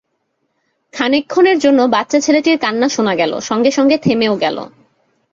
খানিকক্ষণের জন্যে বাচ্চা ছেলেটির কান্না শোনা গেল, সঙ্গেসঙ্গে থেমেও গেল।